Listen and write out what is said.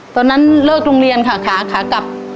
ตอนนั้นเลิกโรงเรียนค่ะขาขากลับ